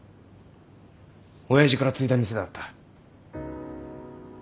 親父から継いだ店だった。